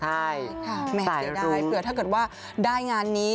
ใช่ค่ะแม่เสียดายเผื่อถ้าเกิดว่าได้งานนี้